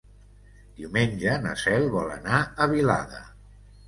Diumenge na Cel vol anar a Vilada.